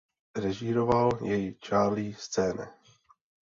Zrežíroval jej Charlie Scene.